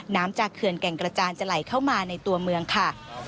น้ำจากเขื่อนแก่งกระจานจะไหลเข้ามาในตัวเมืองค่ะ